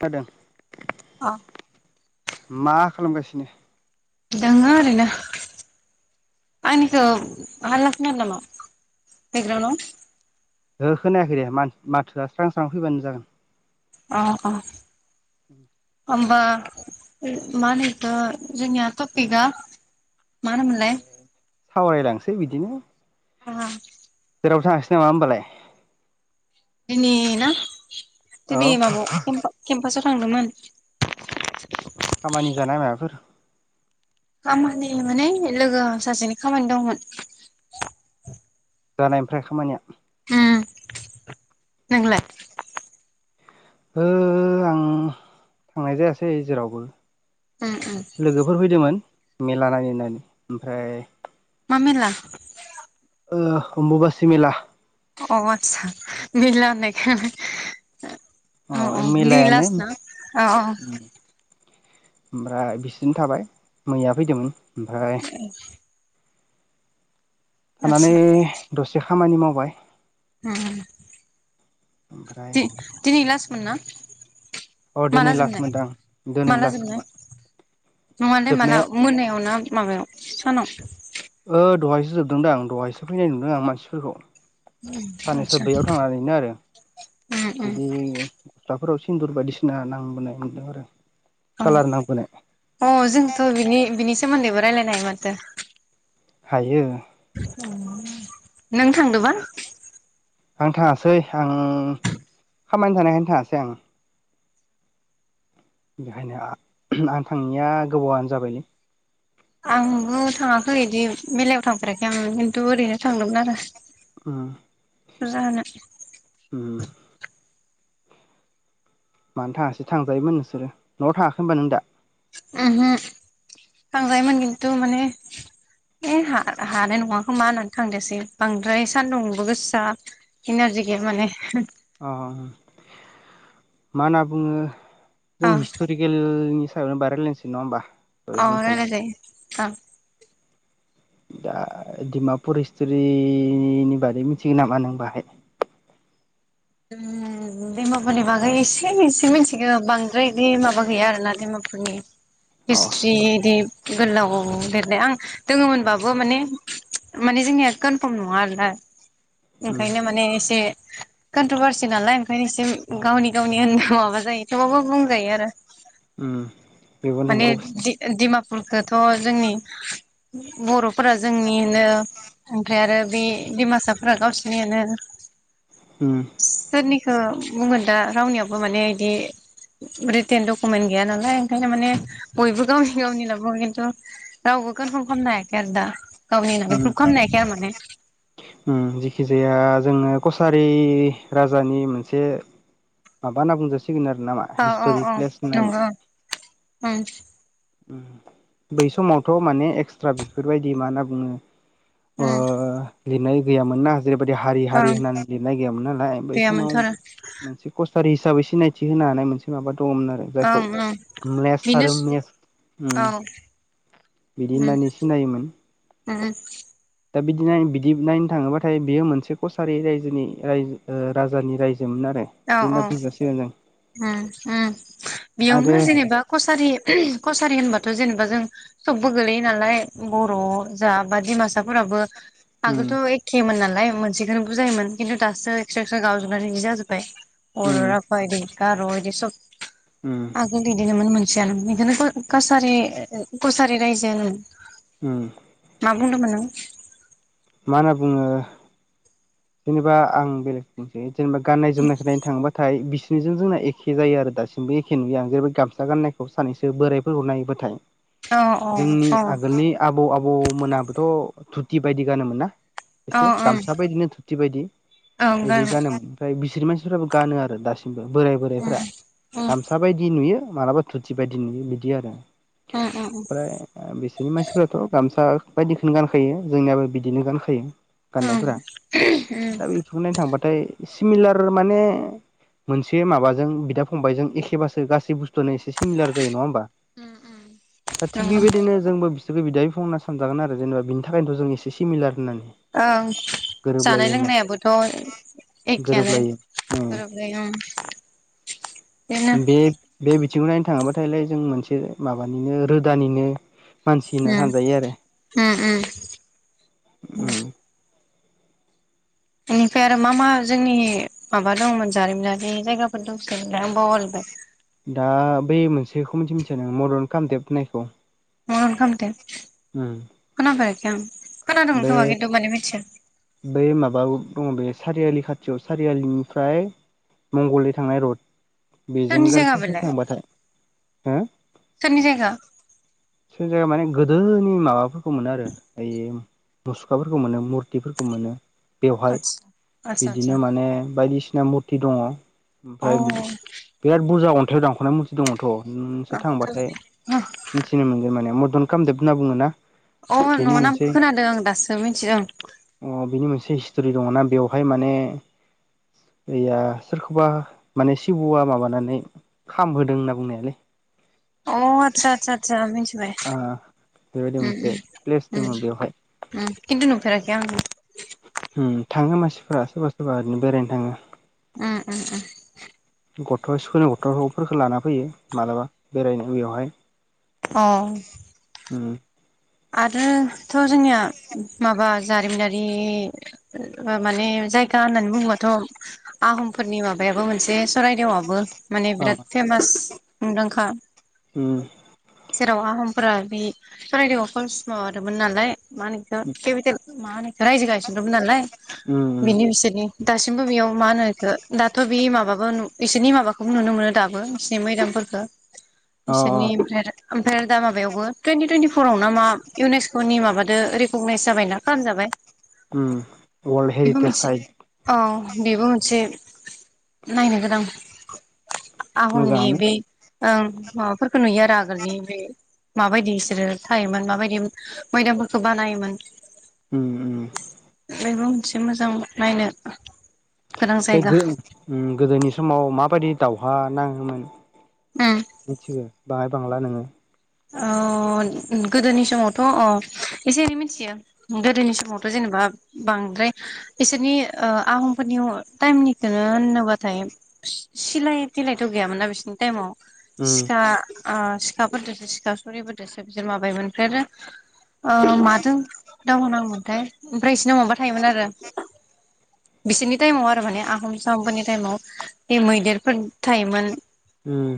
फादों आ मा खालामगासिनो? दङ आरैनो। आंनिखौ हाल्ला खोनादों नामा बेकग्राउण्डाव? ओहो खोनायाखै दे माथोआ स्रां स्रां फैबानो जागोन। अ अह उम होमबा माहोनो बेखौ जोंनिया थफिका मा होनोमोनलाय? सावरायलांसै बिदिनो [unintelligible] जेरावबो थाङासै नामा होमबालाय? दिनै ना औ दिनै माबा केम केम्पासाव थांदोंमोन। खामानि जानाय माबाफोर खामानि माने लोगो सासेनि खामानि दंमोन। जानाय ओमफ्राय खामानिया? उम नोंलाय? ओ आं थांनाय जायासै जेरावबो। उम उम लोगोफोर फैदोंमोन मेला नायनो होन्नानै ओमफ्राय मा मेला? [unintelligible] अमबुुबासि मेला। अ आतसा मेला होन्नायखाय अ अ दिनै लास्थ ना? अ अ ओमफ्राय बिसोरदोनो थाबाय मैया फैदोंमोन ओमफ्राय थानानै आतसा दसे खामानि मावबाय। उम ओमफ्राय दि-दिनि लास्त मोनना? अ दिनै माला लास्ट जोबनाय मोनदां दिनै माला लास्ट जोबनाय? खोमा नङालै माला जोबनाया मोनायाव ना माबायाव सानाव? ओ दहायसो जोबदोंदां दहायसो फैनाय नुदों आं मानसिफोरखौ। साननैसो बैयाव थांनानैनो आरो उम बिदि हाफोराव सिन्दुर बायदिसिना नांबोनाय मोन्दों आरो। कालार नांबोनाय औ अ जोंथ' बिनि बिनि सोमोन्दैबो रायलायनो हायो माथो। हायो। नों थांदोबा आं थाङासै आं खामानि थानायखायनो थाङासै आं। बेहायनो आ आं थांङिया गोबावानो जाबाय। आंबो थाङाखै इदि मेलायाव थांफेराखै आं खिन्थु ओरैनो थांदोंमोन आरो। ओ फुजाहोनो उम मानो थाङासै थांजायोमोन नोंसोरो न'आव थाङाखै होनबा नों दा? ओमहो थांजायोमोन किन्तु माने ए हा-हानाय नङा खोमा होननानै थांदियासै बांद्राय सान्दुंबो गोससा इनारजि गैया माने हो अ मा होनना बुङो अ जों हिस्ट'रिकेलनि सायावनो बाय रायलायनोसै नङा होमबा। दहाय अ बुंखानाय रायलाय जायो अ दा डिमापुर हिस्ट'रिनि बागै मिथियो नामा नों बाहाय? उम डिमापुरनि बागै इसे एसे मिथिगो बांद्राय इदि माबा गैया आरोना ना डिमा पुरनि अ हिस्ट्रि इदि गोलाव लिरनाय आं दोङोमोनबाबो माने माने जोंनिया कनफार्म नङा आरोना उम ओंखायनो माने एसे कन्ट्रभारसि नालाय ओंखायनो एसे गावनि गावनि होनना माबा जायो थेवबाबो बुंजायो आरो। उम बेबो माने नंगौ डि-डिमा पुराथ' जोंनि बर'फोरा जोंनिनो ओमफ्राय आरो बि डिमासाफोरा गावसिनि होनो। उम थ' बुंगोन दा रावनियाबो माने इदि रिटेन डकुमेन्ट गैया नालाय ओंखायनो माने बयबो गावनि गावनि होनना बुङो किन्थु राव बो कनफार्म खामनो हायाखै आरो‌ दा। गावनि होननानै ओम प्रुभ खालामनो हायाखै आरो माने उम जिखि जाया जोंनो कसारि राजानि मोनसे माबा होनना बुंजा सिगोन आरो ना मा औ औ औ हिस्ट'रिक प्लेस ना मा? नंगौ ओं उम बै समावथ' माने एक्सट्रा बेफोरबायदि मा होनना बुङो ओ ओम लिरनाय गैयामोन ना। जेरैबायदि हारि हारि होननानै लिरनाय गैयामोन नालाय बै समाव गैयामोनथ' आरो मोनसे कसारि हिसाबै सिनायथि होनो हानाय मोनसे माबा दङमोन आरो जायखौ ओं ओं म्लेस बेनो आरो मेस उम औ बिदि होननानै सिनायोमोन उम उउ दा बिदिनाय बिदि नायनो थाङोबाथाय बियो मोनसे कसारि रायजोनि ओइ ओ राजानि रायजो दिनो फैजासे होदों हम उम आरो बेयावनो जेनेबा कसारि कस- सारि होनबाथ' जेनेबा जों सबबो गोलैयो नालाय बर' जा बा डिमासाफोराबो उम आगोलथ' एख्खेमोन नालाय मोनसेखोनो बुजायोमोन किन्तु दासो एक्स्रा एक्स्रा गावजोबनानै बिदि जाजोबबाय अ' उम रफदि गार' बिदि सब उम आगोल बिददिनो मोन [unintelligible] बेखौनो कारि कसारि रायजोआनो [unintelligible] बुंनो मोन मा होनना बुङो जेनेबा आं बेलेग बुंसै जेनेबा गाननाय जोमनायनाय थांबाथाय बिसोर बिजों जोंना एखे जायो आरो दासिमबो एखे नुयो आं जेरै गामसा गाननायखौ सानैसो बोरायफोर हर नायोबाथाय। अ अ जोंनि अ आगोलनि आबौ आबौ मोनाबोथ' थुथि बायदि गानोमोन ना अ एसे ओं गामसा बायदिनो धुरथि बायदि ओं बिदि गारमोन जानोोम ओमफ्राय गिसिर मानसिफ्राबो गानो आरो दासिमबो बोराइ बोराइफ्रा गामसा बायदि नुयो। मालाबा धुरथि बायदि नुयो बिदि आरो उम उम उम ओमफ्राय बिसोरनि मानसिफ्राथ' गामसा बायदिखौनो गानखायो जोंनियाबो बिदिनो गानखायो। उम गाननायफोरा दा बेफोरनानै दा बिखौनो थांबाथाय सिमिलार माने मोनसे माबाजों बिदा फंबबायजों एखेबासो गासैबो एसे सिमिलार जायो नङा होमबा उम उम दा थिग नंगौ बेबायदिनो जोंबो जों बिदायै बुंना सानजागोन आरो जेनेबा बिनि थाखायनोथ' जों एसे सिमिलार होननानै ओं जानाय गोरोबलायो लोंनायाबोथ' होननानै एखेयानो गोरोबलायो ओ गोरोबलायो ओं बिदिनो बे बे बिथिंखौ नायनो थाङाब्लाथाय जों मोनसे माबानिनो रोदानिनो मानसि उम होनना सानजायो आरो [inaudible] ओम बेनिफ्राय आरो मा मा जोंनि माबा दंमोन जारिमिनारि जायगाफोर दंसै दा आं बावगारजोबाय। दा बै मोनसेखौ मिथि मिथिया नों मदन कामदेब होननायखौ। म अखा मथ [unintelligible] ह [unintelligible] ख दं थङा खिथु माने मिथि [unintelligible] बै माबायाव दङ बे सारियालि खाथियाव सारियालिनिफ्राय मंगलदै थांनाय रड बेजों सोरनि जायगा गारससो बेलाय थांबाथाय हो सोरनि जायगा सोरनि जायगा माने गोदोनि माबाफोरखौ मोनो आरो ओइ मुसुखाफोरखौ मोनो मुरथिफोरखौ मोनो बेवहाय आदसा आदसा आदसा बिदिनो माने बायदिसिना मुरथि दङ अ ओमफ्राय बि बिराद बुरजा अन्थाइाव दानख'नाय मुरथि दङमोन। अ अ नोंसोर थांबाथाय न'नि मिथिनो मोनगोन माने मद्न खालामजोब होनना बुङो ना। अ न' नामखौ खोनादों आं दासो मिथिदों। अ बिनि मोनसे हिस्ट'रि दङ ना बेवहाय माने यैया सोरखौबा माने सिंहआ माबानानै खामहोदों होनना बुंनायलै। [inaudible] अ आसा आसा आसा मिथि खन ओ बेबायदि मोनसे प्लेस दङ बेवहाय न [unintelligible] नुफेराखै आं ओम थाङो मानसिफोरा सोरबा सोरबा ओरैनो बेरायनो थाङो। ओम ओम ओम। गथ' स्कुलनि गथ'फोरखौ लाना फैयो मालाबा बेरायनो इयावहाय अ। उ आरोथ' जोंनिया माबा जारिमिनारि माने जायगा दा होननानै बुङोबाथ' आहमफोरनि माबायाबो मोनसे सररायदेवआबो माने अ बिराद फेमास मुंदांखा उम जेराव आहमफोरा बि सरायदेवा कर्स माबादोंमोन नालाय मा होनो बेखौ केपिटेल मा होनो रायजो गायसनदोंमोन नालाय उम उम बिनि बिसोरनि दासिमबो बेयाव मा होनोखो दाथ' बे माबाबो इसोरनि माबाखौबो नुनो मोनो दाबो बिसिनि मैदामफोर। फोरखौ अ बिसोरनि ओमफ्राय आरो ओमफ्रायो थुनति थुनतिपराव ना मा इउनेस्क' नि माबादो रेकगनाइस जाबायना खालामजाबाय उम वर्ल्ड बेबो हेरिटेज मोनसे साइट औ बेबो मोनसे नायनो गोनां आहमनि मोजाङानो बे ओं माबाफोरखौ नुयो आरो आगोलनि बे माबादि बिसोरो थायोमोन माबादि मैदामफोरखौ बानायोमोन उम उम बयबो मोनसे मोजां नायनो गोनां बे जायगा गो उम गोदोनि समाव माबादि दावहा नाङोमोन? उम मिथिगौ बाहाय बांला नोङो [unintelligible] अ गोदोनि समावथ' अ एसे एनै मिथियो गोदोनि समावथ' जेनेबा मा बांद्राय बिसोरनि ओ आहामफोरनि टाइमनिखौनो होननोबाथाय सिलाय बिलायथ' गैयामोनना बिसोरनि टाइमाव उम सिखा ओ सिखाफोरदोसो दाबा सुरिफोरजोंसो माबायोमोन ओमफ्राय आरो ओ माजों दावहा नांङोमोनथाय ओमफ्राय इसनाव माबा थायोमोन आरो बिसोरनि टाइमाव आरो माने आहम-साहम फोरनि टाइमाव बे मैदेरफोर थायोमोन। उम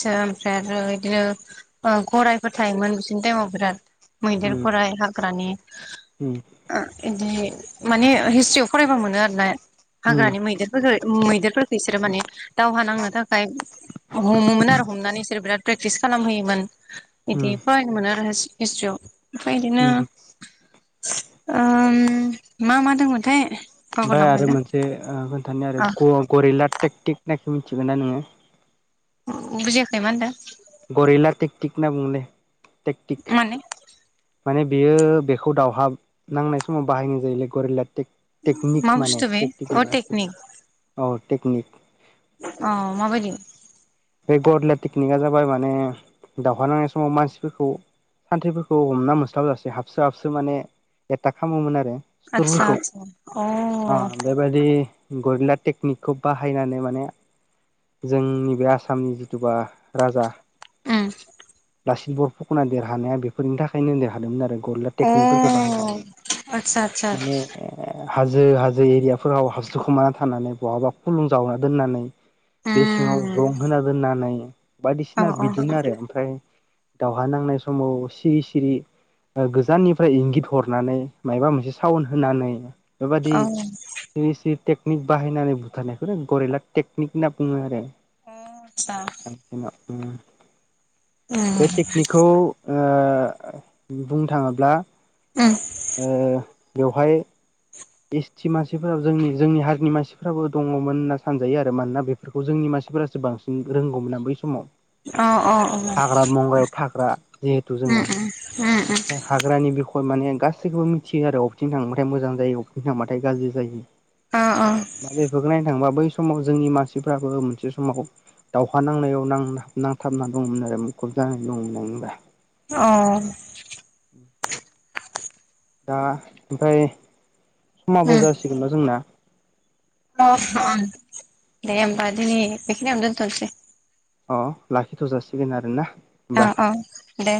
सो ओमफ्राय आरो इदिनो गरायफोर थायोमोन बिसिोरनि टाइमाव बिराद। मैदेर उम गराय हाग्रानि उम ओ इदि माने हिस्ट्रियाव फरायबा मोनो आरोना उम हाग्रानि मैदेरफोरफोरखौ मैदेरफोरखौ इसोरो माने दावहा नांनो थाखाय हमोमोन आरो हमनानै बिसोर बिराद प्रेकटिस खालामहोयोमोन। इदि उम फरायनो मोनो आरो हिस्ट्रियाव ओमफ्राय इदिनो उम ओम मा मा दंमोनथाय ओमफाय आरो बावगारलांबायलां मोनसे खोन्थानो आरो अ ग- गरिला टेकटिक होननायखो मिथिगोना नोङो? बुजियाखै मा होनदों? गरिला टेकटिक होनना बुंनो टेकटिक माने माने बेयो बेखौ दावहा नांनाय समाव बाहायनाय जायोलाय गरिला टेकनिक मा माने बुस्थु बे टेकटिक अ नङा टेकनिक औ टेकनिक। अ माबादि? बे गदया पिकनिकआ जाबाय माने दावहा नांनाय समाव मानसिफोरखौ सानथ्रिफोरखौ हमना मोनस्लाबजासे हाबसो हाबसो माने एथाक खालामोमोन आरो। सुथुरफोरखौ अ बे बायदि गरिला टेकनिकखौ बाहायनानै माने जोंनि बे आसाम सामनि जिथुबा राजा उम। लासि बर फुख'ना देरहानाया बेफोरनि थाखायनो देरहादोंमोन आरो गरिला टेकनिकफोरखौ बाहायनानै माने हाजो हाजो एरियाफोराव हास्लुखोमानानानै थानानै बहाबा खुलुं जावना दोननानै बे सिङाव जम होना दोननानै बायदिसिना बिदिनो आरो ओमफ्राय दावहा नांनाय समाव सिरि सिरि गोजाननिफ्राय इंगित हरनानै माबा मोनसे साउन्ड होनानै बेबायादि सिरि सिरि टेकनिक बाहायनानै बुथारनायखौनो गरिला टेकनिक होनना बुङो आरो बे टेकनिकखौ ओ बुंनो थाङोब्ला ओ बेवहाय एस टि मानसिफोराबो जोंनि जोंनि हारिनि मानसिफ्राबो दङमोन होनना सानजायो आरो मानोना बेफोरखौ जोंनि मान सिफोरासो बांसिन रोंगौमोन आ बै समाव । हाग्रा बंग्रायाव थाग्रा जिहेथु जोङो । हाग्रानि बि खय माने गासैखौबो मिथियो आरो अबेथिं थांबाथाय मोजां जायो बबेथिं थांबाथाय गाज्रि जायो । अ अ बैफोरखो नायनो थांबा बै समाव जोंनि मानसिफ्राबो मोनसे समाव दावउहा नांनायाव नां नांथाबना दंमोन आरो मुखुब जानानै दंमोन आ अ दा ओमफाय समाबो उम जासिगोनना जोंना अ दे होमबा दिनै बेखिनियाव दोनथ'नोसै । अ लाखि थ'जासिगोन आरोना । अ अ दे